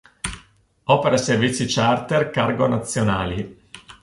Opera servizi charter cargo nazionali.